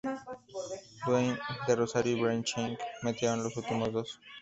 Dwayne De Rosario y Brian Ching metieron los últimos dos.